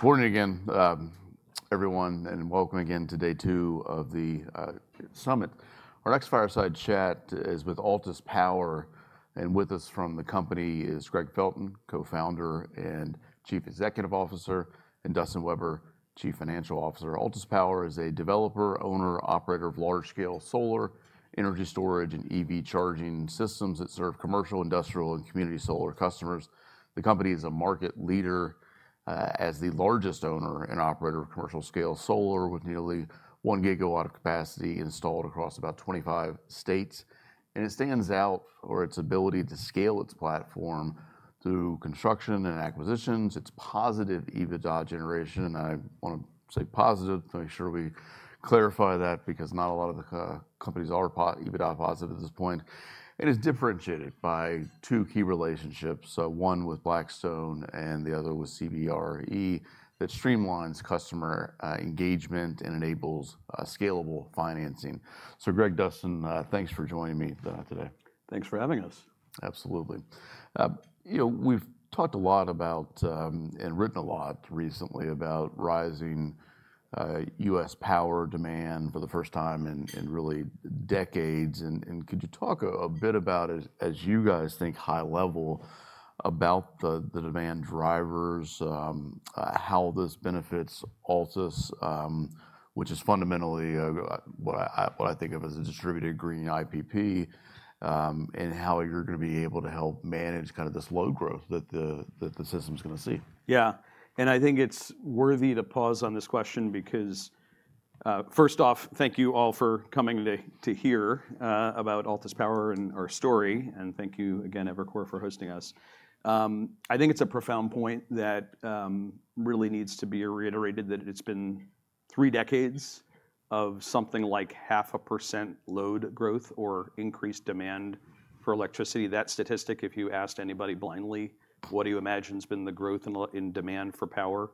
Good morning again, everyone, and welcome again to day two of the summit. Our next fireside chat is with Altus Power, and with us from the company is Gregg Felton, Co-Founder and Chief Executive Officer, and Dustin Weber, Chief Financial Officer. Altus Power is a developer, owner, operator of large-scale solar, energy storage, and EV charging systems that serve commercial, industrial, and community solar customers. The company is a market leader as the largest owner and operator of commercial-scale solar, with nearly 1 GW of capacity installed across about 25 states. It stands out for its ability to scale its platform through construction and acquisitions, its positive EBITDA generation, and I want to say positive to make sure we clarify that, because not a lot of the companies are positive EBITDA positive at this point. It is differentiated by two key relationships, so one with Blackstone and the other with CBRE, that streamlines customer engagement and enables scalable financing. So Gregg, Dustin, thanks for joining me today. Thanks for having us. Absolutely. You know, we've talked a lot about and written a lot recently about rising U.S. power demand for the first time in really decades, and could you talk a bit about as you guys think high level, about the demand drivers, how this benefits Altus, which is fundamentally what I think of as a distributed green IPP, and how you're gonna be able to help manage kind of this load growth that the system's gonna see? Yeah. I think it's worthy to pause on this question because, first off, thank you all for coming today to hear about Altus Power and our story, and thank you again, Evercore, for hosting us. I think it's a profound point that really needs to be reiterated, that it's been three decades of something like 0.5% load growth or increased demand for electricity. That statistic, if you asked anybody blindly, "What do you imagine has been the growth in in demand for power?"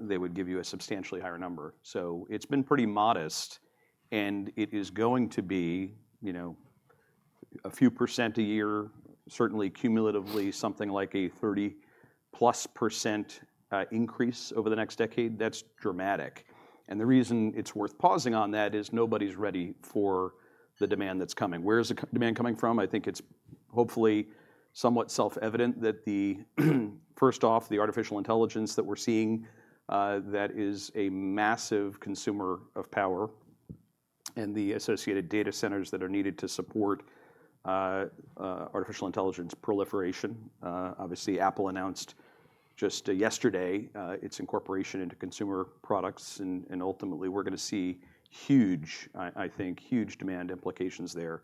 they would give you a substantially higher number. So it's been pretty modest, and it is going to be, you know, a few percent a year, certainly cumulatively, something like a 30%+ increase over the next decade. That's dramatic. The reason it's worth pausing on that is nobody's ready for the demand that's coming. Where is the demand coming from? I think it's hopefully somewhat self-evident that first off, the artificial intelligence that we're seeing, that is a massive consumer of power, and the associated data centers that are needed to support artificial intelligence proliferation. Obviously, Apple announced just yesterday its incorporation into consumer products, and ultimately, we're gonna see huge, I think, huge demand implications there.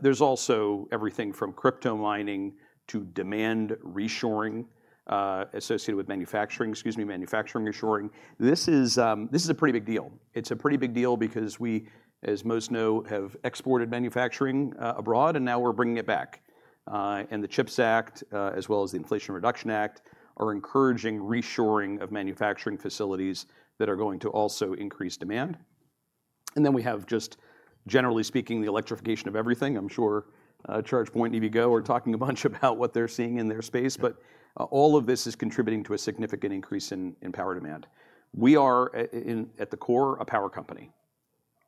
There's also everything from crypto mining to demand reshoring associated with manufacturing, excuse me, manufacturing reshoring. This is a pretty big deal. It's a pretty big deal because we, as most know, have exported manufacturing abroad, and now we're bringing it back. And the CHIPS Act, as well as the Inflation Reduction Act, are encouraging reshoring of manufacturing facilities that are going to also increase demand. And then we have, just generally speaking, the electrification of everything. I'm sure, ChargePoint and EVgo are talking a bunch about what they're seeing in their space, but, all of this is contributing to a significant increase in, in power demand. We are a, in, at the core, a power company.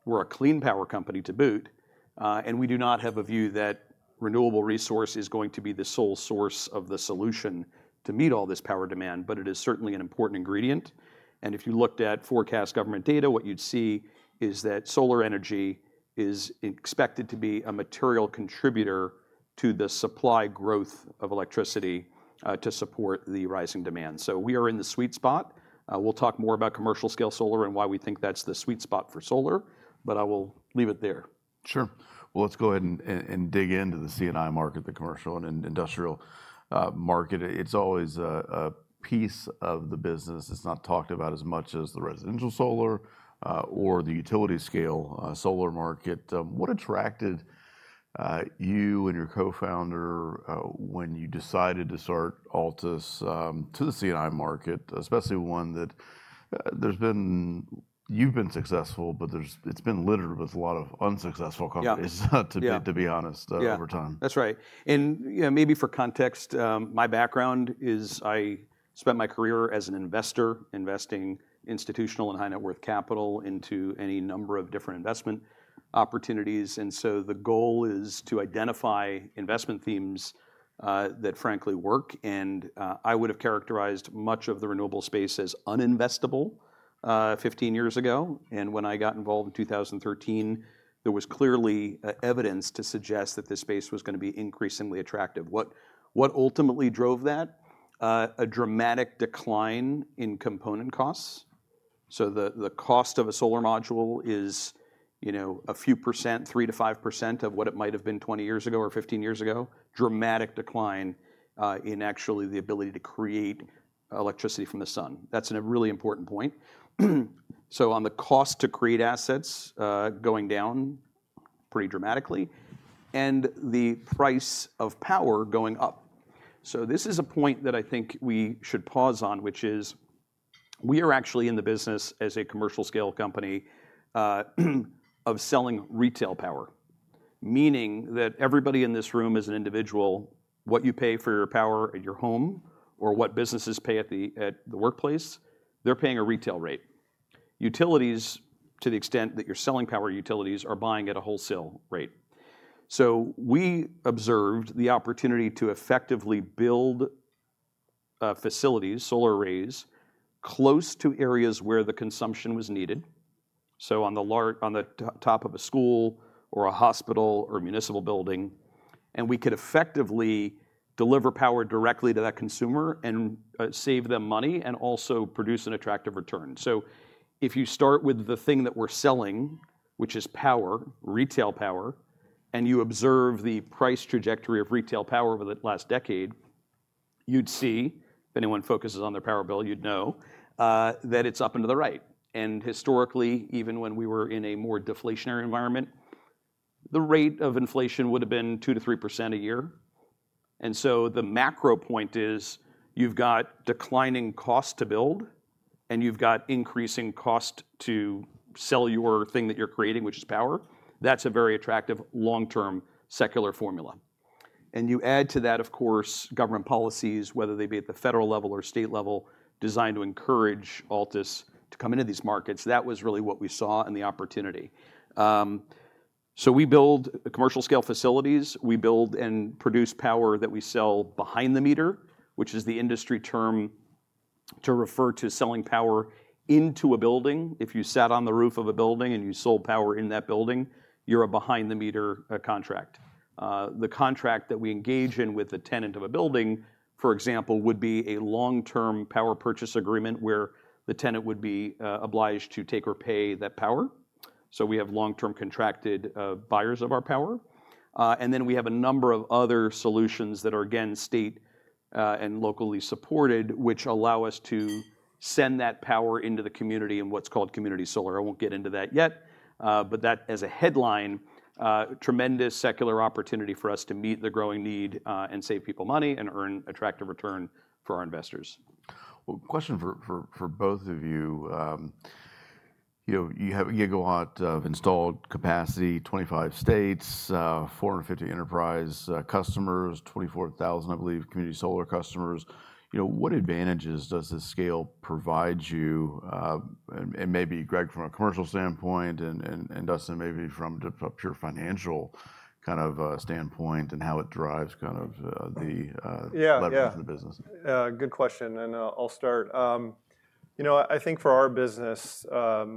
We're a clean power company to boot, and we do not have a view that renewable resource is going to be the sole source of the solution to meet all this power demand, but it is certainly an important ingredient, and if you looked at forecast government data, what you'd see is that solar energy is expected to be a material contributor to the supply growth of electricity, to support the rising demand. So we are in the sweet spot. We'll talk more about commercial-scale solar and why we think that's the sweet spot for solar, but I will leave it there. Sure. Well, let's go ahead and dig into the C&I market, the commercial and industrial market. It's always a piece of the business that's not talked about as much as the residential solar or the utility-scale solar market. What attracted you and your co-founder when you decided to start Altus to the C&I market, especially one that there's been... You've been successful, but there's – it's been littered with a lot of unsuccessful companies- Yeah... to be honest, over time. Yeah. That's right. And, you know, maybe for context, my background is I spent my career as an investor, investing institutional and high-net-worth capital into any number of different investment opportunities. And so the goal is to identify investment themes, that frankly work, and, I would have characterized much of the renewable space as uninvestable, 15 years ago, and when I got involved in 2013, there was clearly, evidence to suggest that this space was gonna be increasingly attractive. What ultimately drove that? A dramatic decline in component costs. So the cost of a solar module is, you know, a few percent, 3%-5% of what it might have been 20 years ago or 15 years ago. Dramatic decline, in actually the ability to create electricity from the sun. That's a really important point. So on the cost to create assets going down pretty dramatically, and the price of power going up. So this is a point that I think we should pause on, which is: we are actually in the business, as a commercial-scale company, of selling retail power.... meaning that everybody in this room is an individual, what you pay for your power at your home or what businesses pay at the workplace, they're paying a retail rate. Utilities, to the extent that you're selling power, utilities are buying at a wholesale rate. So we observed the opportunity to effectively build facilities, solar arrays, close to areas where the consumption was needed, so on the top of a school or a hospital or municipal building, and we could effectively deliver power directly to that consumer and save them money and also produce an attractive return. So if you start with the thing that we're selling, which is power, retail power, and you observe the price trajectory of retail power over the last decade, you'd see, if anyone focuses on their power bill, you'd know that it's up and to the right. Historically, even when we were in a more deflationary environment, the rate of inflation would've been 2%-3% a year. And so the macro point is, you've got declining cost to build, and you've got increasing cost to sell your thing that you're creating, which is power. That's a very attractive long-term secular formula. And you add to that, of course, government policies, whether they be at the federal level or state level, designed to encourage Altus to come into these markets. That was really what we saw and the opportunity. So we build commercial scale facilities. We build and produce power that we sell behind the meter, which is the industry term to refer to selling power into a building. If you sat on the roof of a building and you sold power in that building, you're a behind the meter contract. The contract that we engage in with the tenant of a building, for example, would be a long-term power purchase agreement, where the tenant would be obliged to take or pay that power. So we have long-term contracted buyers of our power. And then we have a number of other solutions that are again, state and locally supported, which allow us to send that power into the community in what's called community solar. I won't get into that yet, but that as a headline, tremendous secular opportunity for us to meet the growing need, and save people money, and earn attractive return for our investors. Well, question for both of you. You know, you have a gigawatt of installed capacity, 25 states, 450 enterprise customers, 24,000, I believe, community solar customers. You know, what advantages does this scale provide you? And maybe Gregg, from a commercial standpoint, and Dustin, maybe from the pure financial kind of standpoint and how it drives kind of the Yeah, yeah Leverage in the business. Good question, and I'll start. You know, I think for our business,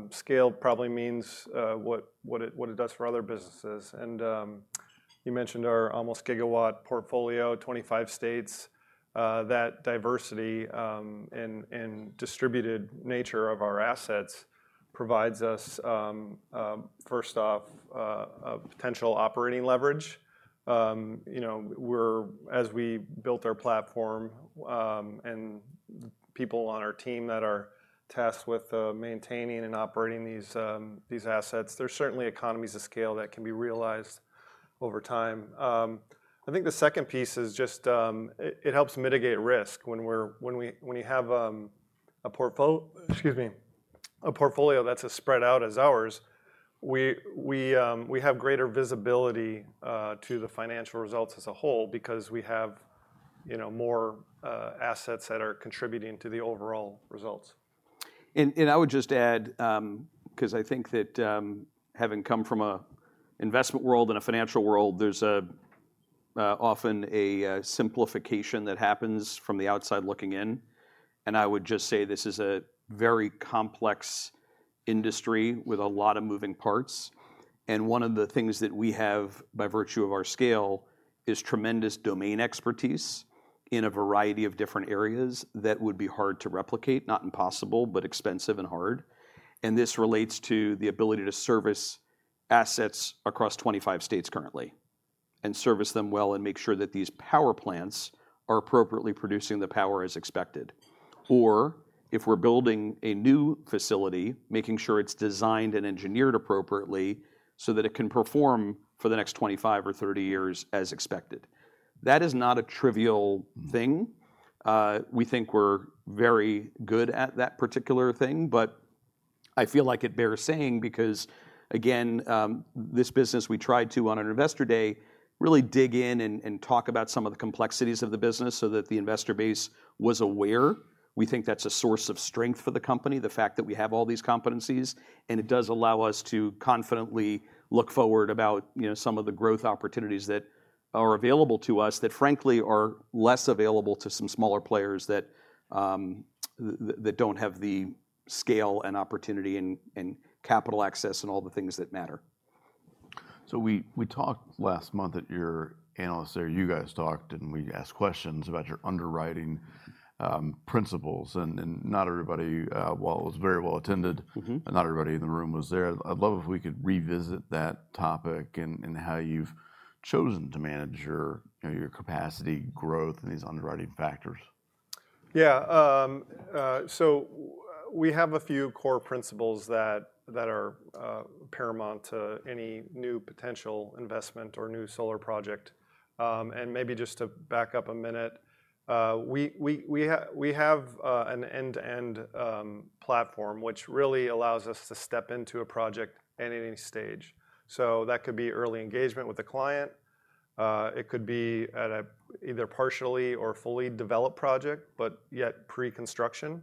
scale probably means what it does for other businesses. And you mentioned our almost gigawatt portfolio, 25 states. That diversity and distributed nature of our assets provides us first off a potential operating leverage. You know, as we built our platform, and people on our team that are tasked with maintaining and operating these assets, there's certainly economies of scale that can be realized over time. I think the second piece is just it helps mitigate risk. When you have a portfolio that's as spread out as ours, excuse me, we have greater visibility to the financial results as a whole because we have, you know, more assets that are contributing to the overall results. I would just add, 'cause I think that, having come from a investment world and a financial world, there's often a simplification that happens from the outside looking in, and I would just say this is a very complex industry with a lot of moving parts. One of the things that we have, by virtue of our scale, is tremendous domain expertise in a variety of different areas that would be hard to replicate, not impossible, but expensive and hard. This relates to the ability to service assets across 25 states currently, and service them well and make sure that these power plants are appropriately producing the power as expected. Or if we're building a new facility, making sure it's designed and engineered appropriately so that it can perform for the next 25 years or 30 years as expected. That is not a trivial thing. We think we're very good at that particular thing, but I feel like it bears saying because, again, this business, we tried to, on an Investor Day, really dig in and talk about some of the complexities of the business so that the investor base was aware. We think that's a source of strength for the company, the fact that we have all these competencies, and it does allow us to confidently look forward about, you know, some of the growth opportunities that are available to us, that frankly are less available to some smaller players, that that don't have the scale and opportunity and capital access, and all the things that matter. So we talked last month at your Analyst Day there. You guys talked, and we asked questions about your underwriting principles, and not everybody... While it was very well attended- Mm-hmm. Not everybody in the room was there. I'd love if we could revisit that topic and, and how you've chosen to manage your, you know, your capacity growth and these underwriting factors. Yeah, so we have a few core principles that are paramount to any new potential investment or new solar project. And maybe just to back up a minute, we have an end-to-end platform, which really allows us to step into a project at any stage. So that could be early engagement with the client. It could be either partially or fully developed project, but yet pre-construction.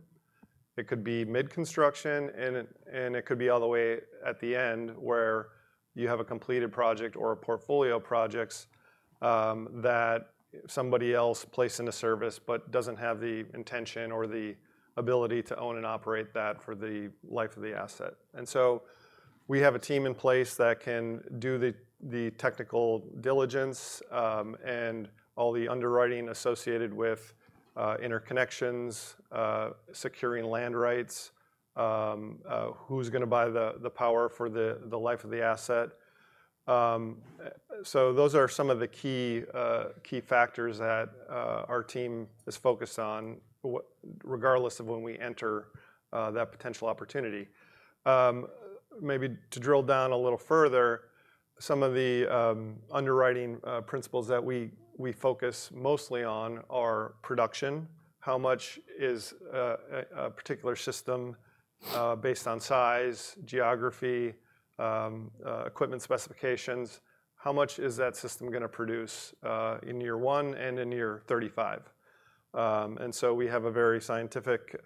It could be mid-construction, and it could be all the way at the end, where you have a completed project or a portfolio of projects that somebody else placed into service but doesn't have the intention or the ability to own and operate that for the life of the asset. So we have a team in place that can do the technical diligence, and all the underwriting associated with interconnections, securing land rights, who's gonna buy the power for the life of the asset? So those are some of the key factors that our team is focused on—what regardless of when we enter that potential opportunity. Maybe to drill down a little further, some of the underwriting principles that we focus mostly on are production. How much is a particular system based on size, geography, equipment specifications, how much is that system gonna produce in year 1 and in year 35? And so we have a very scientific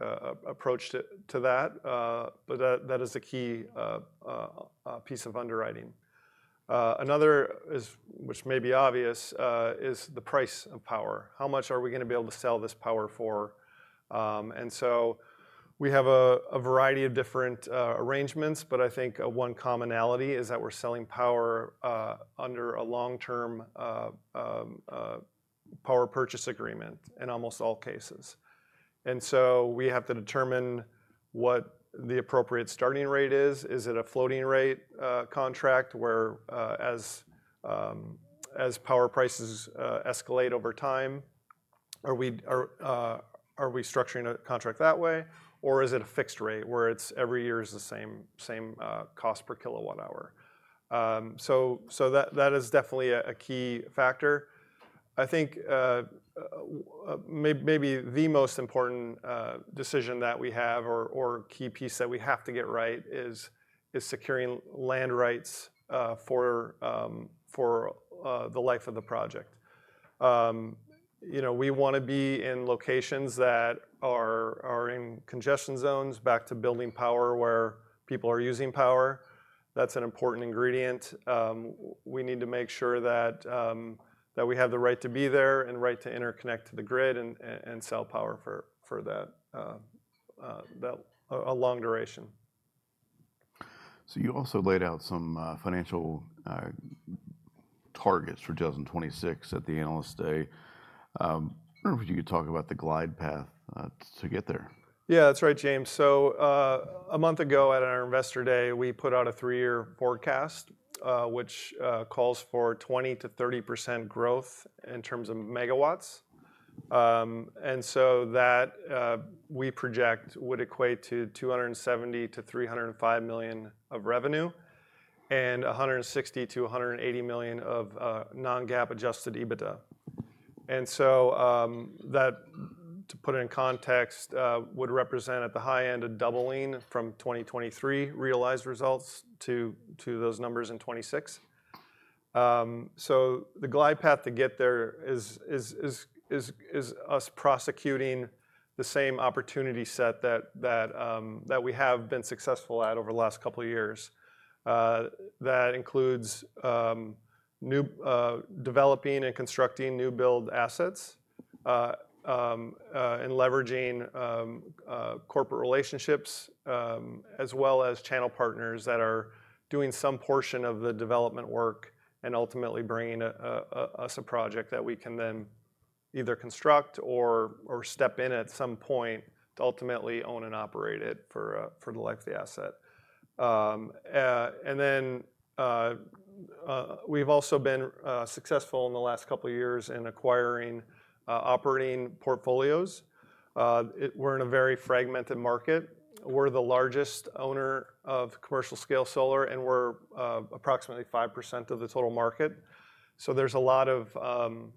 approach to that, but that is the key piece of underwriting. Another is, which may be obvious, the price of power. How much are we gonna be able to sell this power for? And so we have a variety of different arrangements, but I think one commonality is that we're selling power under a long-term power purchase agreement in almost all cases. And so we have to determine what the appropriate starting rate is. Is it a floating rate contract, where as power prices escalate over time, are we structuring a contract that way? Or is it a fixed rate, where it's every year the same cost per kilowatt hour? So that is definitely a key factor. I think maybe the most important decision that we have or key piece that we have to get right is securing land rights for the life of the project. You know, we want to be in locations that are in congestion zones, back to building power where people are using power. That's an important ingredient. We need to make sure that we have the right to be there and right to interconnect to the grid and sell power for that a long duration. So you also laid out some financial targets for 2026 at the Analyst Day. I wonder if you could talk about the glide path to get there. Yeah, that's right, James. So, a month ago at our Investor Day, we put out a three-year forecast, which calls for 20%-30% growth in terms of megawatts. And so that we project would equate to $270 million-$305 million of revenue, and $160 million-$180 million of non-GAAP adjusted EBITDA. And so, that, to put it in context, would represent at the high end, a doubling from 2023 realized results to those numbers in 2026. So the glide path to get there is us prosecuting the same opportunity set that that we have been successful at over the last couple of years. That includes new... Developing and constructing new build assets, and leveraging corporate relationships, as well as channel partners that are doing some portion of the development work and ultimately bringing us a project that we can then either construct or step in at some point to ultimately own and operate it for the life of the asset. We've also been successful in the last couple of years in acquiring operating portfolios. We're in a very fragmented market. We're the largest owner of commercial scale solar, and we're approximately 5% of the total market. So there's a lot of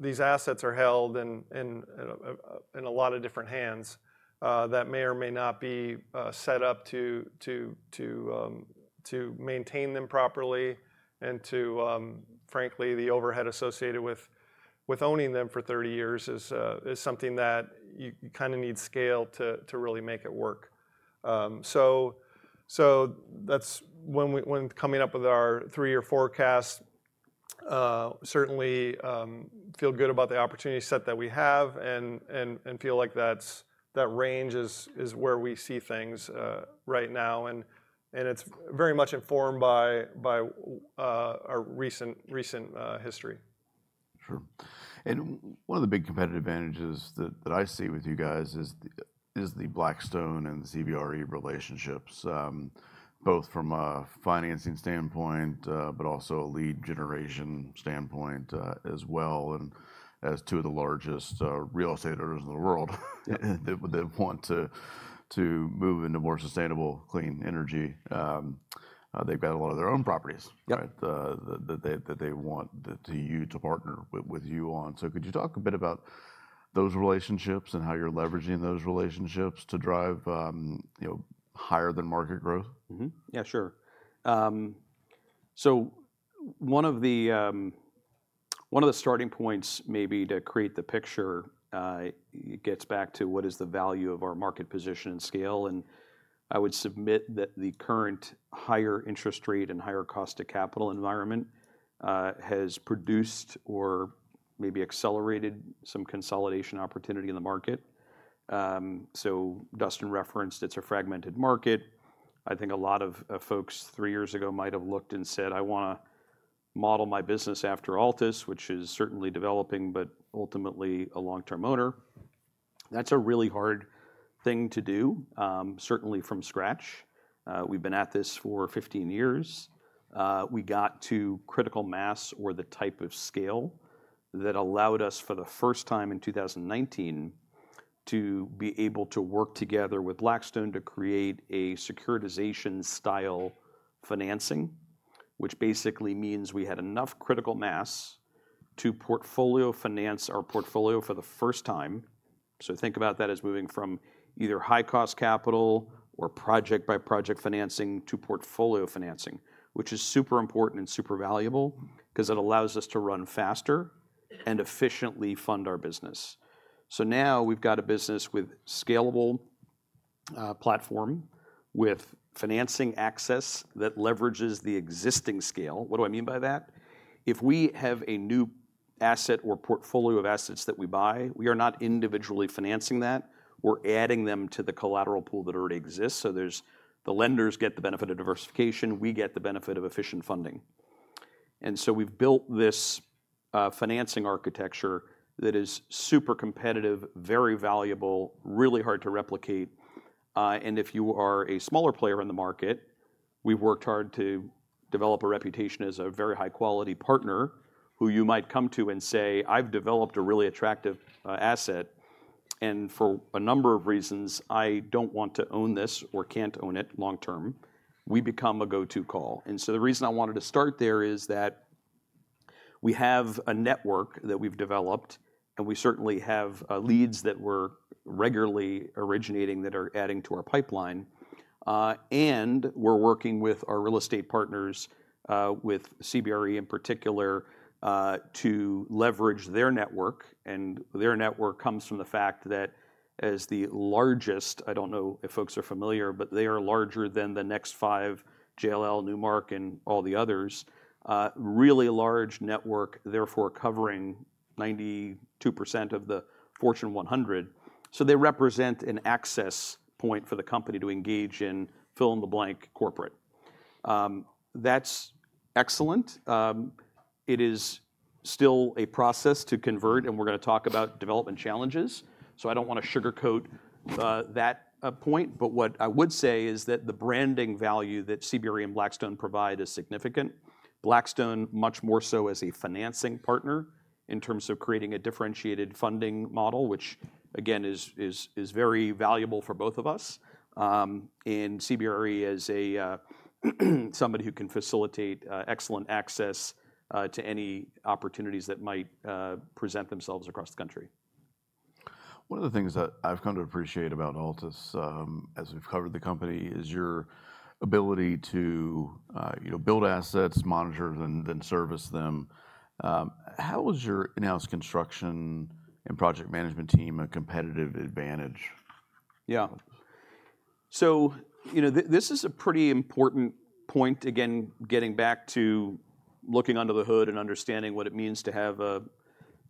these assets are held in a lot of different hands that may or may not be set up to maintain them properly and to frankly the overhead associated with owning them for 30 years is something that you kind of need scale to really make it work. So that's when coming up with our 3-year forecast, certainly feel good about the opportunity set that we have, and feel like that's that range is where we see things right now. And it's very much informed by our recent history. Sure. One of the big competitive advantages that I see with you guys is the Blackstone and CBRE relationships, both from a financing standpoint, but also a lead generation standpoint, as well, and as two of the largest real estate owners in the world - Yeah... that want to move into more sustainable, clean energy. They've got a lot of their own properties- Yep... that they want to partner with you on. So could you talk a bit about those relationships and how you're leveraging those relationships to drive, you know, higher than market growth? Mm-hmm. Yeah, sure. So one of the starting points maybe to create the picture, it gets back to what is the value of our market position and scale, and I would submit that the current higher interest rate and higher cost of capital environment has produced or maybe accelerated some consolidation opportunity in the market. So Dustin referenced it's a fragmented market. I think a lot of folks three years ago might have looked and said, "I wanna model my business after Altus," which is certainly developing, but ultimately a long-term owner. That's a really hard thing to do, certainly from scratch. We've been at this for 15 years. We got to critical mass or the type of scale that allowed us, for the first time in 2019, to be able to work together with Blackstone to create a securitization style financing, which basically means we had enough critical mass to portfolio finance our portfolio for the first time. So think about that as moving from either high-cost capital or project-by-project financing to portfolio financing, which is super important and super valuable 'cause it allows us to run faster and efficiently fund our business. So now we've got a business with scalable platform, with financing access that leverages the existing scale. What do I mean by that? If we have a new asset or portfolio of assets that we buy, we are not individually financing that. We're adding them to the collateral pool that already exists, so there's... The lenders get the benefit of diversification. We get the benefit of efficient funding. And so we've built this financing architecture that is super competitive, very valuable, really hard to replicate. And if you are a smaller player in the market, we've worked hard to develop a reputation as a very high-quality partner, who you might come to and say, "I've developed a really attractive asset, and for a number of reasons, I don't want to own this or can't own it long term." We become a go-to call. And so the reason I wanted to start there is that we have a network that we've developed, and we certainly have leads that we're regularly originating that are adding to our pipeline. And we're working with our real estate partners, with CBRE in particular, to leverage their network, and their network comes from the fact that as the largest... I don't know if folks are familiar, but they are larger than the next five, JLL, Newmark, and all the others. Really large network, therefore, covering 92% of the Fortune 100. So they represent an access point for the company to engage in fill-in-the-blank corporate. That's excellent. It is still a process to convert, and we're gonna talk about development challenges, so I don't wanna sugarcoat that point. But what I would say is that the branding value that CBRE and Blackstone provide is significant. Blackstone, much more so as a financing partner in terms of creating a differentiated funding model, which, again, is very valuable for both of us. CBRE is a somebody who can facilitate excellent access to any opportunities that might present themselves across the country. One of the things that I've come to appreciate about Altus, as we've covered the company, is your ability to, you know, build assets, monitor them, then service them. How is your in-house construction and project management team a competitive advantage? Yeah. So, you know, this is a pretty important point, again, getting back to looking under the hood and understanding what it means to have a,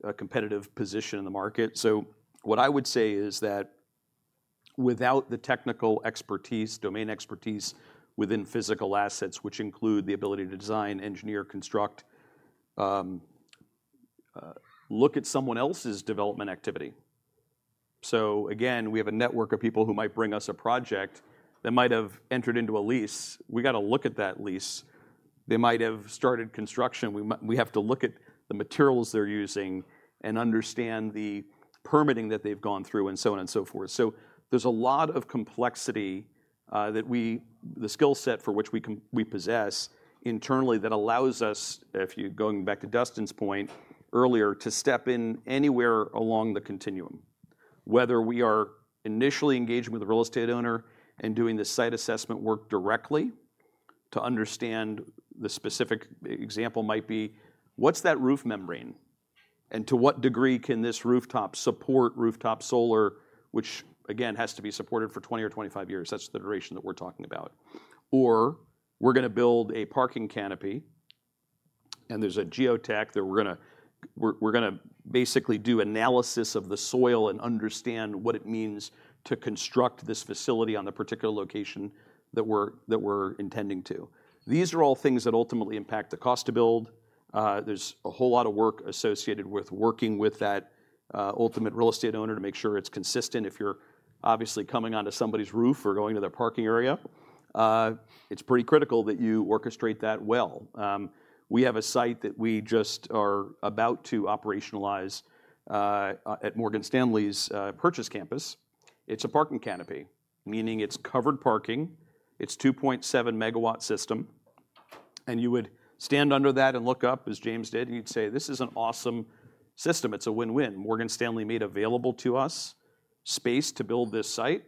a competitive position in the market. So what I would say is that without the technical expertise, domain expertise within physical assets, which include the ability to design, engineer, construct, look at someone else's development activity. So again, we have a network of people who might bring us a project that might have entered into a lease. We gotta look at that lease. They might have started construction. We have to look at the materials they're using and understand the permitting that they've gone through, and so on and so forth. So there's a lot of complexity, the skill set that we possess internally that allows us, if you're going back to Dustin's point earlier, to step in anywhere along the continuum. Whether we are initially engaging with the real estate owner and doing the site assessment work directly to understand... The specific example might be: What's that roof membrane? And to what degree can this rooftop support rooftop solar, which, again, has to be supported for 20 or 25 years. That's the duration that we're talking about. Or we're gonna build a parking canopy, and there's a geotech that we're gonna basically do analysis of the soil and understand what it means to construct this facility on the particular location that we're intending to. These are all things that ultimately impact the cost to build. There's a whole lot of work associated with working with that ultimate real estate owner to make sure it's consistent. If you're obviously coming onto somebody's roof or going to their parking area, it's pretty critical that you orchestrate that well. We have a site that we just are about to operationalize at Morgan Stanley's Purchase campus. It's a parking canopy, meaning it's covered parking. It's a 2.7 MW system... and you would stand under that and look up, as James did, and you'd say, "This is an awesome system. It's a win-win." Morgan Stanley made available to us space to build this site,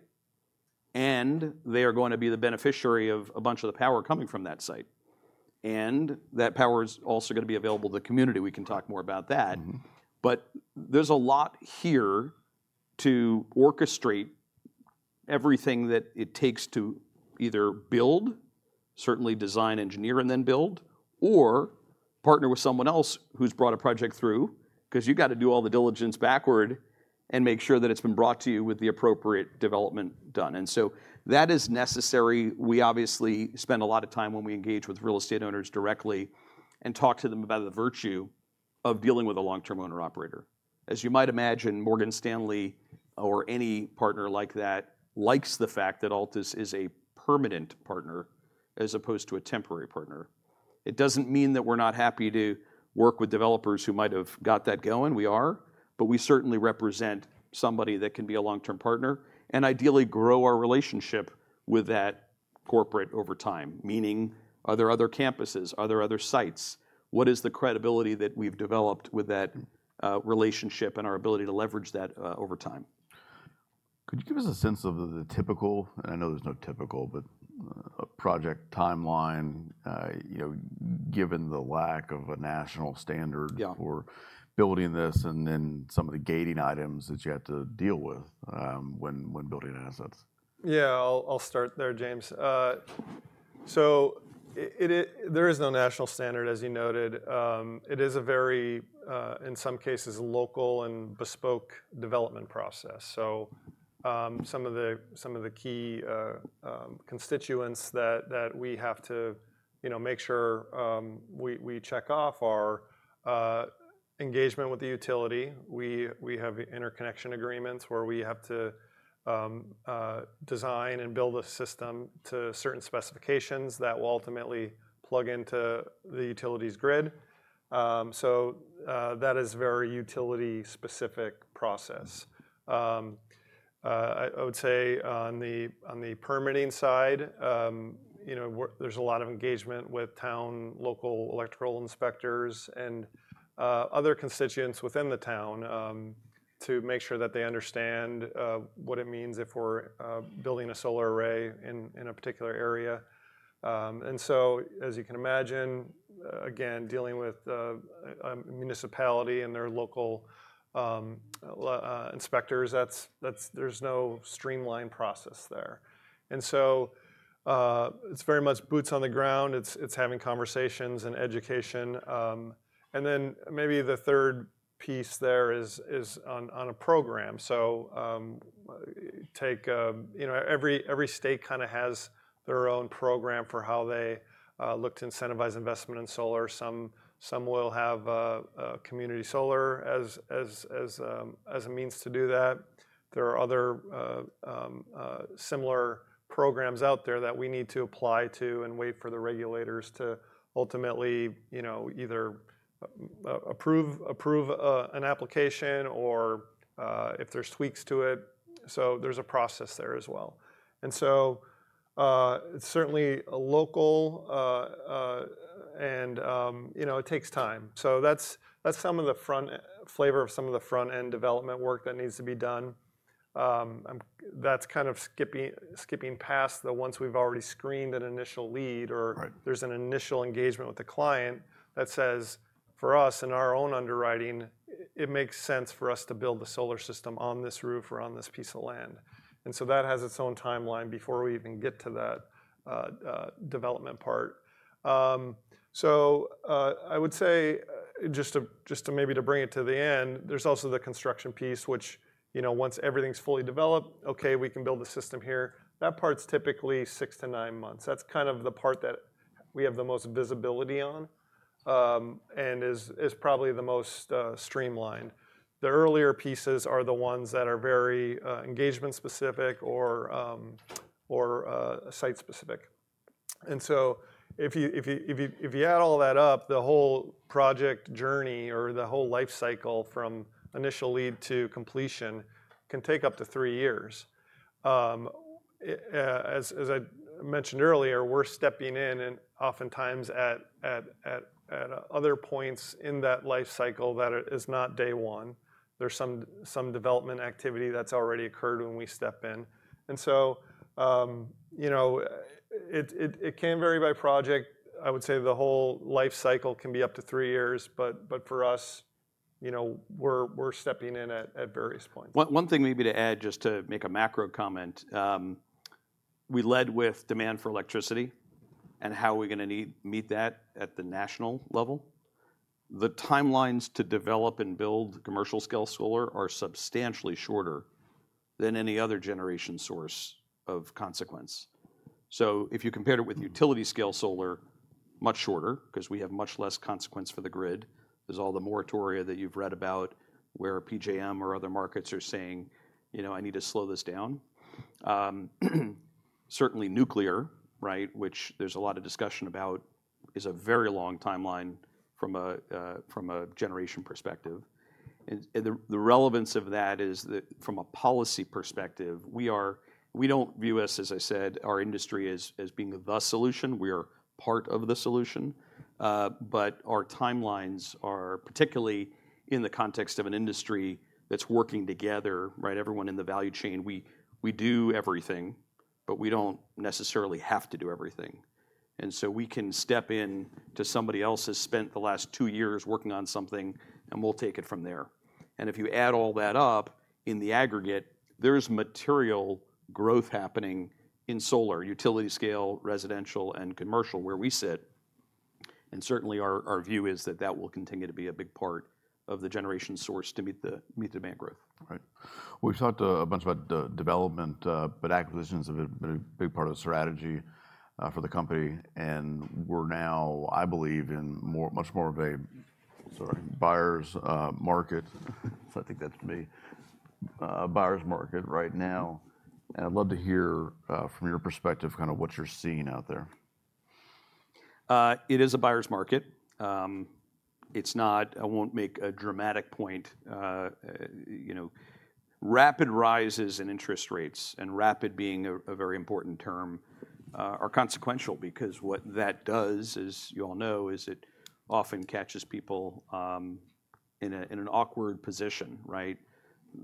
and they are going to be the beneficiary of a bunch of the power coming from that site. That power is also gonna be available to the community. We can talk more about that. Mm-hmm. But there's a lot here to orchestrate everything that it takes to either build, certainly design, engineer, and then build, or partner with someone else who's brought a project through, 'cause you've got to do all the diligence backward and make sure that it's been brought to you with the appropriate development done. And so that is necessary. We obviously spend a lot of time when we engage with real estate owners directly and talk to them about the virtue of dealing with a long-term owner/operator. As you might imagine, Morgan Stanley or any partner like that, likes the fact that Altus is a permanent partner as opposed to a temporary partner. It doesn't mean that we're not happy to work with developers who might have got that going. We are, but we certainly represent somebody that can be a long-term partner and ideally grow our relationship with that corporate over time. Meaning, are there other campuses? Are there other sites? What is the credibility that we've developed with that, relationship and our ability to leverage that, over time? Could you give us a sense of the typical... I know there's no typical, but, a project timeline, you know, given the lack of a national standard? Yeah... for building this and then some of the gating items that you have to deal with, when building assets? Yeah, I'll, I'll start there, James. So there is no national standard, as you noted. It is a very, in some cases, local and bespoke development process. So, some of the, some of the key constituents that, that we have to, you know, make sure, we, we check off are engagement with the utility. We, we have interconnection agreements where we have to, design and build a system to certain specifications that will ultimately plug into the utility's grid. So, that is very utility-specific process. I would say on the permitting side, you know, there's a lot of engagement with town local electrical inspectors, and other constituents within the town, to make sure that they understand what it means if we're building a solar array in a particular area. And so as you can imagine, again, dealing with a municipality and their local inspectors, that's. There's no streamlined process there. And so, it's very much boots on the ground. It's having conversations and education. And then maybe the third piece there is on a program. So, take you know, every state kind of has their own program for how they look to incentivize investment in solar. Some will have community solar as a means to do that. There are other similar programs out there that we need to apply to and wait for the regulators to ultimately, you know, either approve an application or if there's tweaks to it. So there's a process there as well. And so it's certainly a local and, you know, it takes time. So that's some of the front-end flavor of some of the front-end development work that needs to be done. That's kind of skipping past the ones we've already screened an initial lead or- Right... there's an initial engagement with the client that says, "For us, in our own underwriting, it makes sense for us to build the solar system on this roof or on this piece of land." And so that has its own timeline before we even get to that development part. So, I would say, just to maybe to bring it to the end, there's also the construction piece, which, you know, once everything's fully developed, okay, we can build the system here. That part's typically six to nine months. That's kind of the part that we have the most visibility on, and is probably the most streamlined. The earlier pieces are the ones that are very engagement specific or site specific. And so if you add all that up, the whole project journey or the whole life cycle from initial lead to completion can take up to three years. As I mentioned earlier, we're stepping in and oftentimes at other points in that life cycle that it is not day one. There's some development activity that's already occurred when we step in. And so, you know, it can vary by project. I would say the whole life cycle can be up to three years, but for us, you know, we're stepping in at various points. One thing maybe to add, just to make a macro comment. We led with demand for electricity and how we're gonna need to meet that at the national level. The timelines to develop and build commercial-scale solar are substantially shorter than any other generation source of consequence. So if you compared it with utility-scale solar, much shorter, 'cause we have much less consequence for the grid. There's all the moratoria that you've read about, where PJM or other markets are saying, "You know, I need to slow this down." Certainly nuclear, right, which there's a lot of discussion about, is a very long timeline from a generation perspective. And the relevance of that is that from a policy perspective, we are, we don't view us, as I said, our industry as being the solution. We are part of the solution. But our timelines are particularly in the context of an industry that's working together, right? Everyone in the value chain, we do everything, but we don't necessarily have to do everything. And so we can step in to somebody else who's spent the last two years working on something, and we'll take it from there. And if you add all that up, in the aggregate, there's material growth happening in solar, utility scale, residential, and commercial, where we sit, and certainly our view is that that will continue to be a big part of the generation source to meet the demand growth. Right. We've talked a bunch about development, but acquisitions have been a big part of the strategy for the company, and we're now, I believe, in much more of a buyer's market. So I think that's me. A buyer's market right now, and I'd love to hear from your perspective, kinda what you're seeing out there. It is a buyer's market. It's not... I won't make a dramatic point. You know, rapid rises in interest rates, and rapid being a very important term, are consequential because what that does, as you all know, is it often catches people, in an awkward position, right?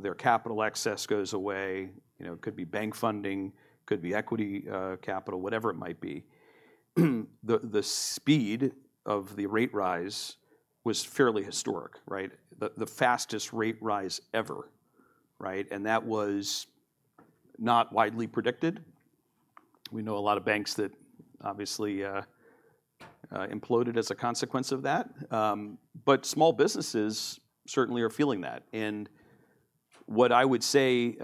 Their capital access goes away. You know, it could be bank funding, could be equity, capital, whatever it might be. The speed of the rate rise was fairly historic, right? The fastest rate rise ever, right? And that was not widely predicted. We know a lot of banks that obviously, imploded as a consequence of that. But small businesses certainly are feeling that. What I would say,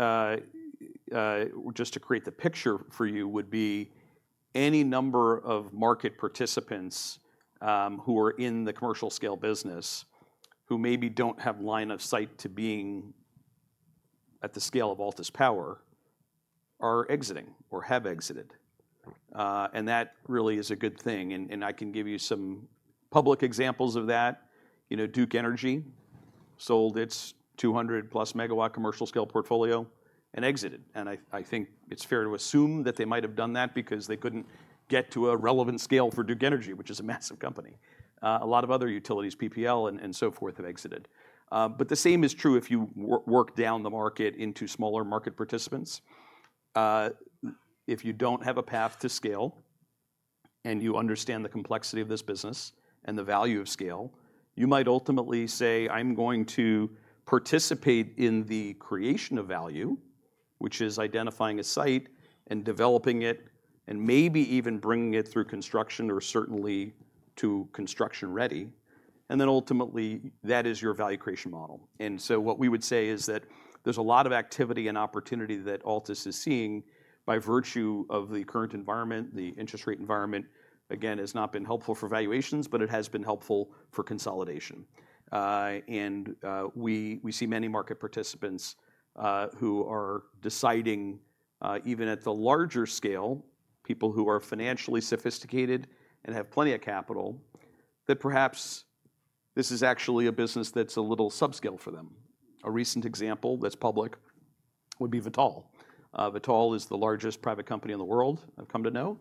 just to create the picture for you, would be any number of market participants, who are in the commercial scale business, who maybe don't have line of sight to being at the scale of Altus Power, are exiting or have exited. Right. And that really is a good thing, and, and I can give you some public examples of that. You know, Duke Energy sold its 200+ MW commercial scale portfolio and exited, and I, I think it's fair to assume that they might have done that because they couldn't get to a relevant scale for Duke Energy, which is a massive company. A lot of other utilities, PPL and, and so forth, have exited. But the same is true if you work down the market into smaller market participants. If you don't have a path to scale and you understand the complexity of this business and the value of scale, you might ultimately say, "I'm going to participate in the creation of value," which is identifying a site and developing it, and maybe even bringing it through construction or certainly to construction-ready, and then ultimately, that is your value creation model. And so what we would say is that there's a lot of activity and opportunity that Altus is seeing by virtue of the current environment. The interest rate environment, again, has not been helpful for valuations, but it has been helpful for consolidation. And we see many market participants who are deciding even at the larger scale, people who are financially sophisticated and have plenty of capital, that perhaps this is actually a business that's a little subscale for them. A recent example that's public would be Vitol. Vitol is the largest private company in the world, I've come to know.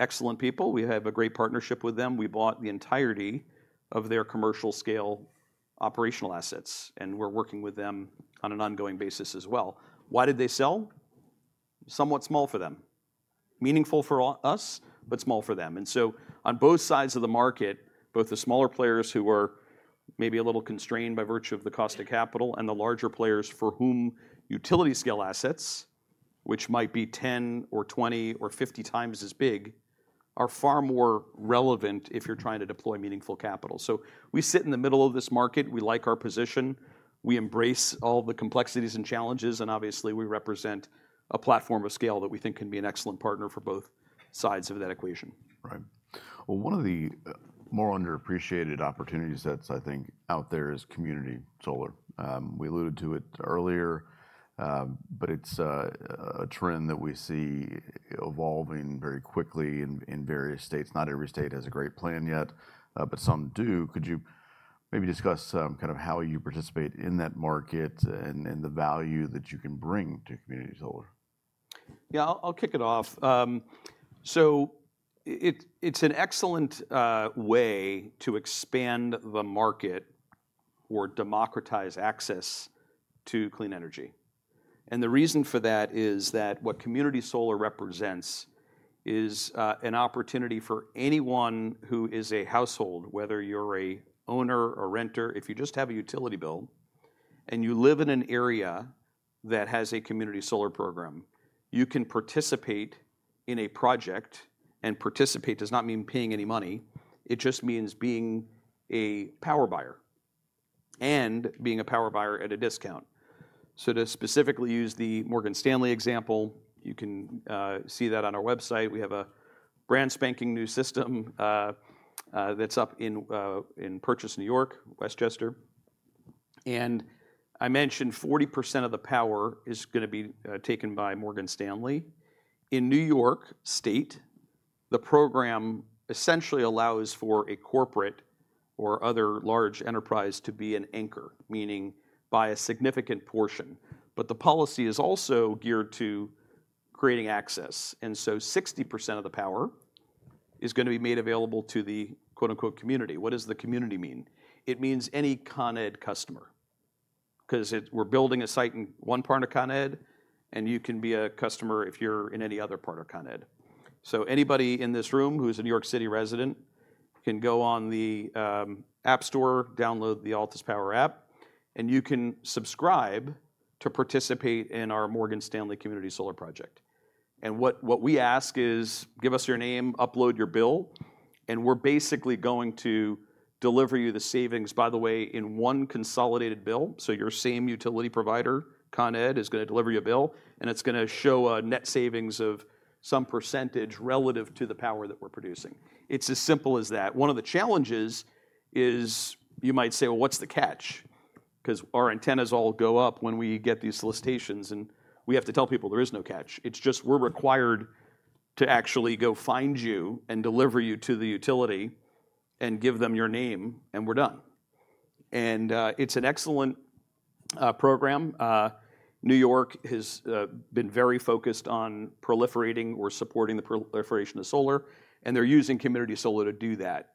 Excellent people. We have a great partnership with them. We bought the entirety of their commercial scale operational assets, and we're working with them on an ongoing basis as well. Why did they sell? Somewhat small for them. Meaningful for us, but small for them. And so on both sides of the market, both the smaller players, who are maybe a little constrained by virtue of the cost of capital, and the larger players for whom utility scale assets, which might be 10x or 20x or 50 times as big, are far more relevant if you're trying to deploy meaningful capital. So we sit in the middle of this market. We like our position. We embrace all the complexities and challenges, and obviously, we represent a platform of scale that we think can be an excellent partner for both sides of that equation. Right. Well, one of the more underappreciated opportunities that's, I think, out there is community solar. We alluded to it earlier, but it's a trend that we see evolving very quickly in various states. Not every state has a great plan yet, but some do. Could you maybe discuss kind of how you participate in that market and the value that you can bring to community solar? Yeah, I'll, I'll kick it off. So it, it's an excellent way to expand the market or democratize access to clean energy, and the reason for that is that what community solar represents is an opportunity for anyone who is a household, whether you're a owner or renter, if you just have a utility bill and you live in an area that has a community solar program, you can participate in a project, and participate does not mean paying any money. It just means being a power buyer and being a power buyer at a discount. So to specifically use the Morgan Stanley example, you can see that on our website. We have a brand spanking new system that's up in in Purchase, New York, Westchester... and I mentioned 40% of the power is gonna be taken by Morgan Stanley. In New York State, the program essentially allows for a corporate or other large enterprise to be an anchor, meaning by a significant portion. But the policy is also geared to creating access, and so 60% of the power is gonna be made available to the, quote, unquote, “community”. What does the community mean? It means any Con Ed customer, 'cause it we're building a site in one part of Con Ed, and you can be a customer if you're in any other part of Con Ed. So anybody in this room who is a New York City resident, can go on the App Store, download the Altus Power app, and you can subscribe to participate in our Morgan Stanley community solar project. What, what we ask is: give us your name, upload your bill, and we're basically going to deliver you the savings, by the way, in one consolidated bill. Your same utility provider, Con Ed, is gonna deliver you a bill, and it's gonna show a net savings of some percentage relative to the power that we're producing. It's as simple as that. One of the challenges is you might say: "Well, what's the catch?" 'Cause our antennas all go up when we get these solicitations, and we have to tell people there is no catch. It's just we're required to actually go find you and deliver you to the utility and give them your name, and we're done. It's an excellent program. New York has been very focused on proliferating or supporting the proliferation of solar, and they're using community solar to do that.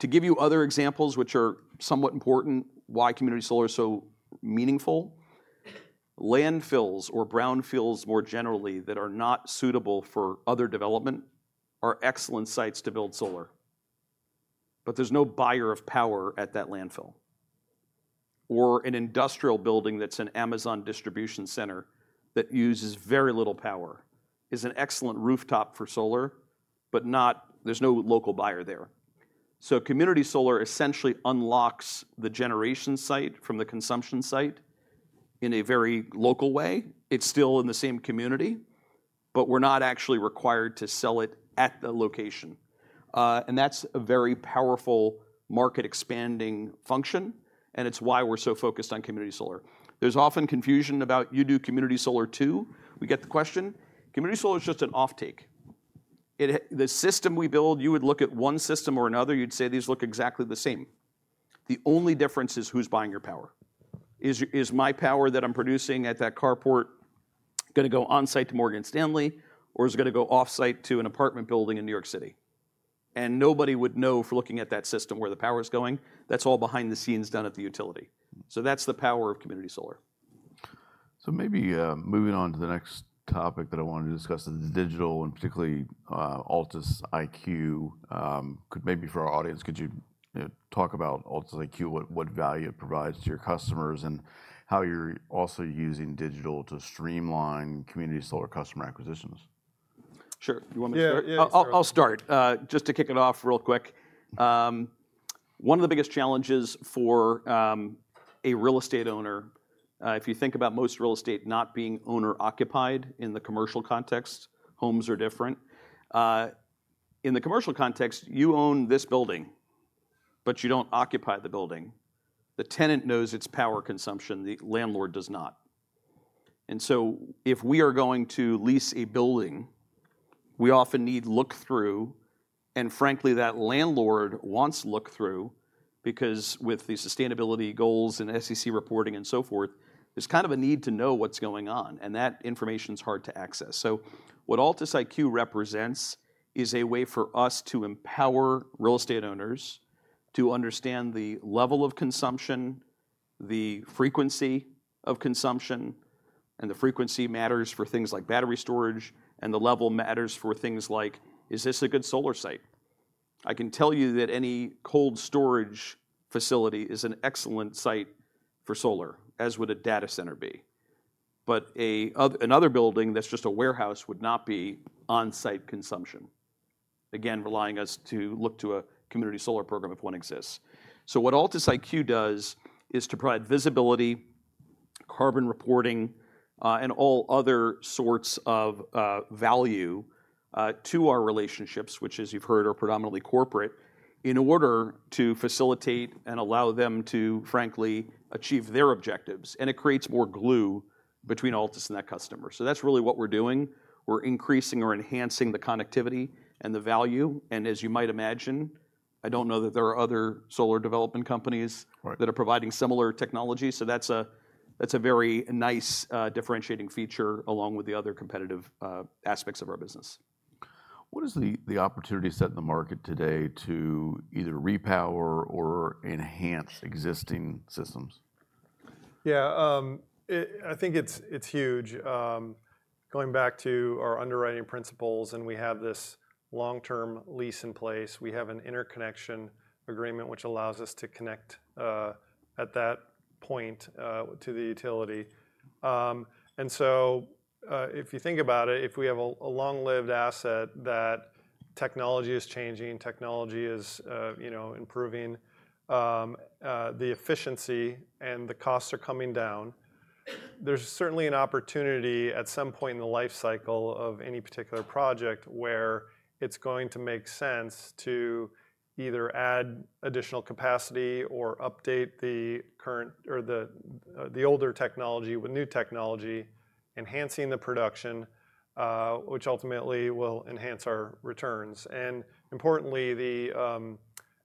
To give you other examples, which are somewhat important, why community solar is so meaningful. Landfills or brownfields, more generally, that are not suitable for other development, are excellent sites to build solar, but there's no buyer of power at that landfill. Or an industrial building that's an Amazon distribution center that uses very little power, is an excellent rooftop for solar, but not... There's no local buyer there. So community solar essentially unlocks the generation site from the consumption site in a very local way. It's still in the same community, but we're not actually required to sell it at the location. And that's a very powerful market expanding function, and it's why we're so focused on community solar. There's often confusion about, "You do community solar, too?" We get the question. Community solar is just an off-take. The system we build, you would look at one system or another, you'd say, "These look exactly the same." The only difference is who's buying your power. Is my power that I'm producing at that carport gonna go on-site to Morgan Stanley, or is it gonna go off-site to an apartment building in New York City? And nobody would know for looking at that system where the power is going. That's all behind the scenes done at the utility. So that's the power of community solar. So maybe, moving on to the next topic that I wanted to discuss is the digital, and particularly, Altus IQ. Could, maybe for our audience, could you talk about Altus IQ, what value it provides to your customers, and how you're also using digital to streamline community solar customer acquisitions? Sure. You want me to start? Yeah, yeah. I'll start. Just to kick it off real quick, one of the biggest challenges for a real estate owner, if you think about most real estate not being owner-occupied in the commercial context, homes are different. In the commercial context, you own this building, but you don't occupy the building. The tenant knows its power consumption, the landlord does not. And so if we are going to lease a building, we often need look through, and frankly, that landlord wants look through, because with the sustainability goals and SEC reporting and so forth, there's kind of a need to know what's going on, and that information is hard to access. So what Altus IQ represents, is a way for us to empower real estate owners to understand the level of consumption, the frequency of consumption, and the frequency matters for things like battery storage, and the level matters for things like: Is this a good solar site? I can tell you that any cold storage facility is an excellent site for solar, as would a data center be. But another building that's just a warehouse would not be on-site consumption. Again, relying us to look to a community solar program, if one exists. So what Altus IQ does, is to provide visibility, carbon reporting, and all other sorts of value to our relationships, which, as you've heard, are predominantly corporate, in order to facilitate and allow them to frankly achieve their objectives, and it creates more glue between Altus and that customer. That's really what we're doing. We're increasing or enhancing the connectivity and the value, and as you might imagine, I don't know that there are other solar development companies- Right. - that are providing similar technology, so that's a, that's a very nice, differentiating feature, along with the other competitive, aspects of our business. What is the opportunity set in the market today to either repower or enhance existing systems? Yeah, I think it's huge. Going back to our underwriting principles, and we have this long-term lease in place. We have an interconnection agreement, which allows us to connect at that point to the utility. And so, if you think about it, if we have a long-lived asset, that technology is changing, technology is you know, improving the efficiency and the costs are coming down. There's certainly an opportunity at some point in the life cycle of any particular project, where it's going to make sense to either add additional capacity or update the current... or the older technology with new technology, enhancing the production-... which ultimately will enhance our returns. And importantly,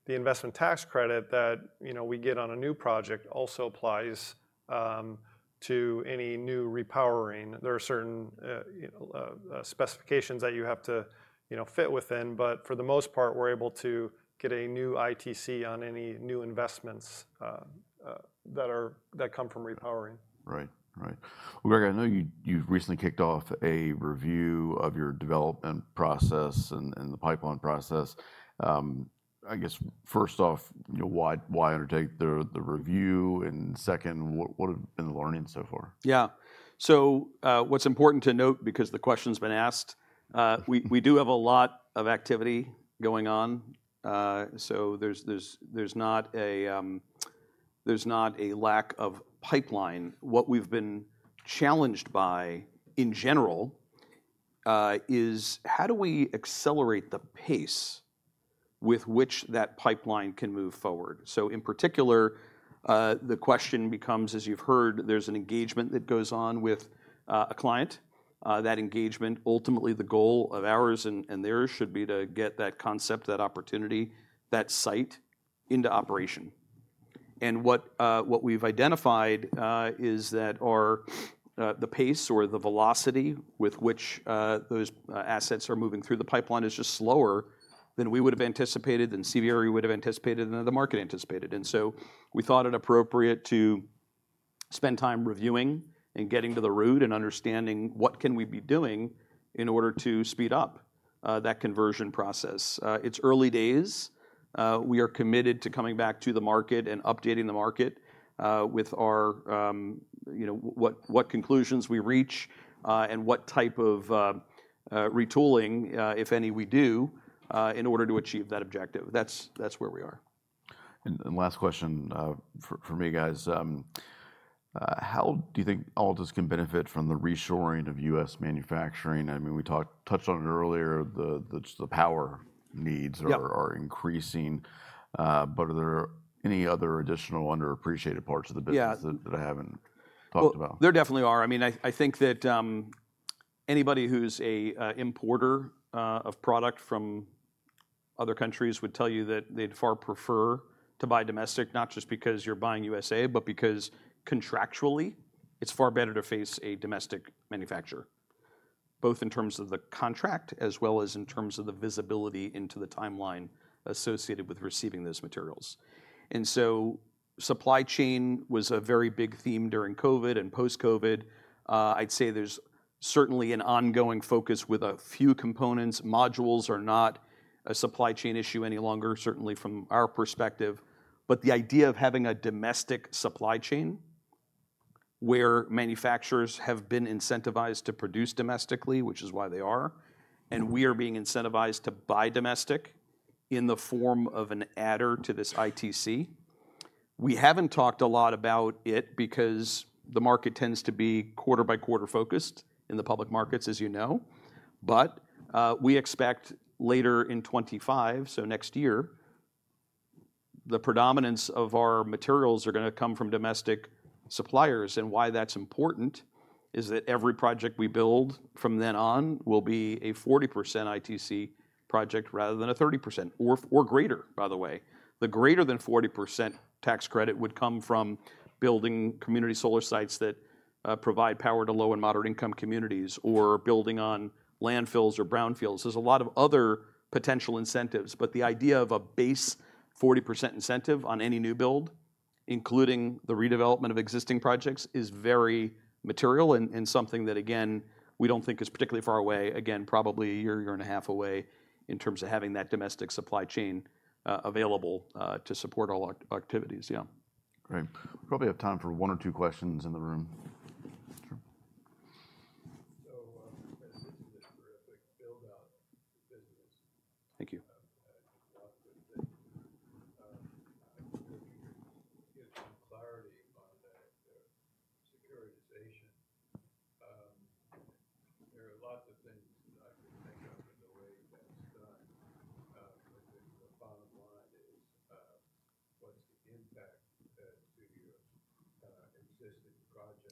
the Investment Tax Credit that, you know, we get on a new project also applies to any new repowering. There are certain, you know, specifications that you have to, you know, fit within, but for the most part, we're able to get a new ITC on any new investments that come from repowering. Right. Right. Well, Gregg, I know you, you've recently kicked off a review of your development process and the pipeline process. I guess, first off, you know, why undertake the review? Second, what have been the learnings so far? Yeah. So, what's important to note, because the question's been asked, we do have a lot of activity going on. So there's not a lack of pipeline. What we've been challenged by, in general, is: how do we accelerate the pace with which that pipeline can move forward? So in particular, the question becomes, as you've heard, there's an engagement that goes on with a client. That engagement, ultimately the goal of ours and theirs should be to get that concept, that opportunity, that site into operation. And what we've identified is that the pace or the velocity with which those assets are moving through the pipeline is just slower than we would've anticipated, than CBRE would've anticipated, and the market anticipated. So we thought it appropriate to spend time reviewing and getting to the root, and understanding what can we be doing in order to speed up that conversion process. It's early days. We are committed to coming back to the market and updating the market with our, you know, what conclusions we reach, and what type of retooling, if any, we do in order to achieve that objective. That's, that's where we are. And last question for me, guys. How do you think Altus can benefit from the reshoring of U.S. manufacturing? I mean, we touched on it earlier, just the power needs- Yeah... are increasing. But are there any other additional underappreciated parts of the business? Yeah... that I haven't talked about? Well, there definitely are. I mean, I think that anybody who's an importer of product from other countries would tell you that they'd far prefer to buy domestic, not just because you're buying USA, but because contractually, it's far better to face a domestic manufacturer, both in terms of the contract as well as in terms of the visibility into the timeline associated with receiving those materials. And so supply chain was a very big theme during COVID and post-COVID. I'd say there's certainly an ongoing focus with a few components. Modules are not a supply chain issue any longer, certainly from our perspective. But the idea of having a domestic supply chain, where manufacturers have been incentivized to produce domestically, which is why they are, and we are being incentivized to buy domestic in the form of an adder to this ITC. We haven't talked a lot about it, because the market tends to be quarter-by-quarter focused in the public markets, as you know. But, we expect later in 2025, so next year, the predominance of our materials are gonna come from domestic suppliers. And why that's important is that every project we build from then on will be a 40% ITC project rather than a 30% or greater, by the way. The greater than 40% tax credit would come from building community solar sites that provide power to low and moderate-income communities, or building on landfills or brownfields. There's a lot of other potential incentives, but the idea of a base 40% incentive on any new build, including the redevelopment of existing projects, is very material and something that, again, we don't think is particularly far away. Again, probably a year, year and a half away in terms of having that domestic supply chain available to support all activities. Yeah. Great. We probably have time for one or two questions in the room. Sure. Thank you. There are lots of things that I can think of in the way that's done, but the bottom line is, what's the impact to your existing projects? Yeah. is,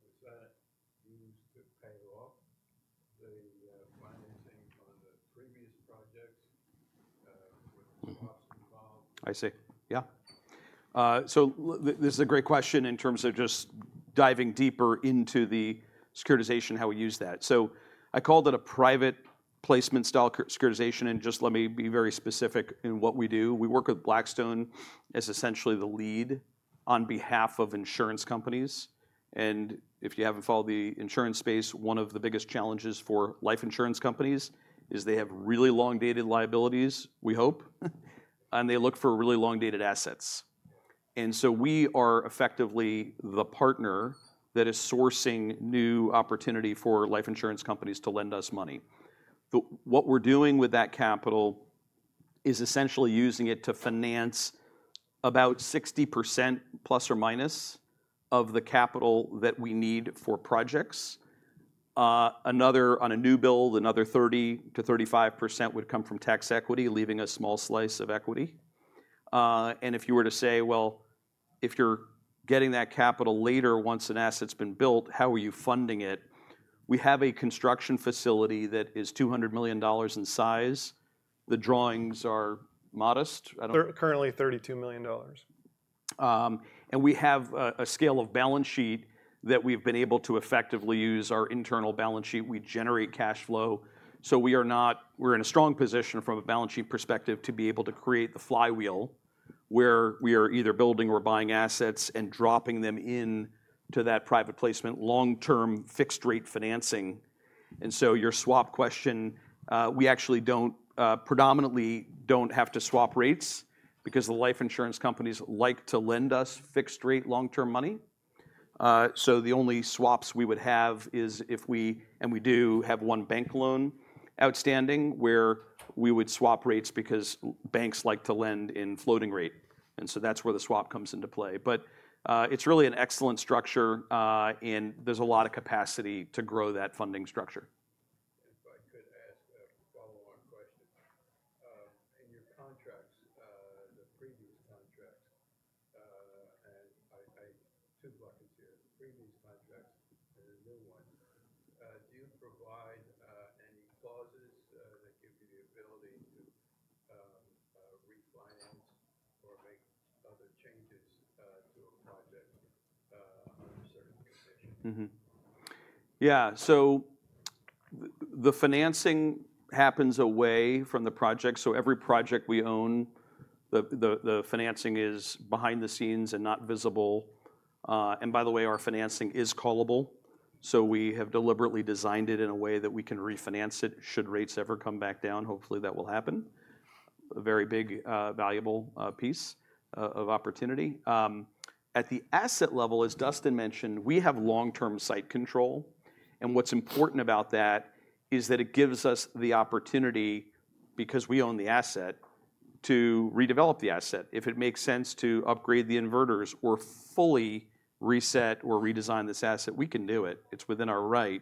was that used to pay off the financing on the previous projects? Were the swaps involved? I see. Yeah. So this is a great question in terms of just diving deeper into the securitization, how we use that. So I called it a private placement-style securitization, and just let me be very specific in what we do. We work with Blackstone as essentially the lead on behalf of insurance companies, and if you haven't followed the insurance space, one of the biggest challenges for life insurance companies is they have really long-dated liabilities, we hope, and they look for really long-dated assets. And so we are effectively the partner that is sourcing new opportunity for life insurance companies to lend us money. What we're doing with that capital is essentially using it to finance about 60%±, of the capital that we need for projects. Another on a new build, another 30%-35% would come from tax equity, leaving a small slice of equity. And if you were to say, well, if you're getting that capital later, once an asset's been built, how are you funding it? We have a construction facility that is $200 million in size. The drawings are modest. I don't- Currently $32 million. We have a scalable balance sheet that we've been able to effectively use, our internal balance sheet. We generate cash flow, so we're in a strong position from a balance sheet perspective to be able to create the flywheel, where we are either building or buying assets and dropping them into that private placement, long-term, fixed-rate financing. So your swap question, we actually predominantly don't have to swap rates because the life insurance companies like to lend us fixed-rate, long-term money. So the only swaps we would have is if we... And we do have one bank loan outstanding, where we would swap rates because banks like to lend in floating-rate, and so that's where the swap comes into play. But, it's really an excellent structure, and there's a lot of capacity to grow that funding structure. In your contracts, the previous contracts and two buckets here, the previous contracts and the new one, do you provide any clauses that give you the ability to refinance or make other changes? Yeah, so the financing happens away from the project, so every project we own, the financing is behind the scenes and not visible. And by the way, our financing is callable, so we have deliberately designed it in a way that we can refinance it, should rates ever come back down. Hopefully, that will happen. A very big, valuable, piece of opportunity. At the asset level, as Dustin mentioned, we have long-term site control, and what's important about that is that it gives us the opportunity, because we own the asset, to redevelop the asset. If it makes sense to upgrade the inverters or fully reset or redesign this asset, we can do it. It's within our right.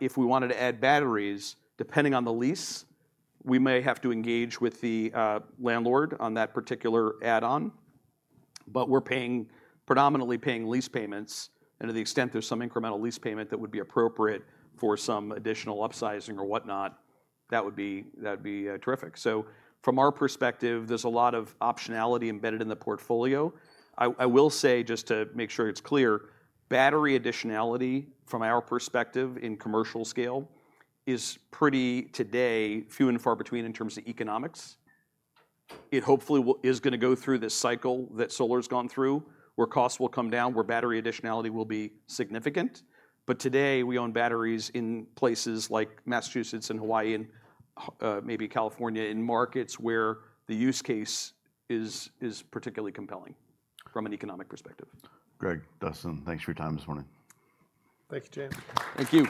If we wanted to add batteries, depending on the lease, we may have to engage with the landlord on that particular add-on, but we're predominantly paying lease payments, and to the extent there's some incremental lease payment, that would be appropriate for some additional upsizing or whatnot, that would be, that'd be terrific. So from our perspective, there's a lot of optionality embedded in the portfolio. I will say, just to make sure it's clear, battery additionality, from our perspective in commercial scale, is pretty, today, few and far between in terms of economics. It hopefully is gonna go through this cycle that solar's gone through, where costs will come down, where battery additionality will be significant. Today, we own batteries in places like Massachusetts and Hawaii and maybe California, in markets where the use case is particularly compelling from an economic perspective. Gregg, Dustin, thanks for your time this morning. Thanks, James. Thank you.